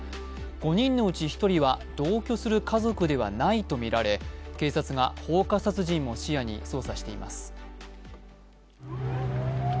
５人のうち１人は同居する家族ではないとみられ、警察が放火殺人も視野に捜査しています。